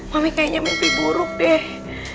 kami kayaknya mimpi buruk deh